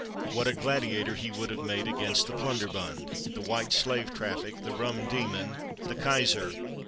What a gladiator he would have made against the Plunderbund, the White Slave Traffic, the Rum Demon, the Kaiser!